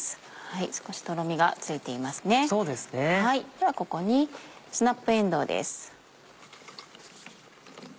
ではここにスナップえんどうです。